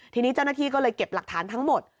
ทีนี้เจ้าหน้าที่ก็เลยเก็บหลักฐานทั้งหมด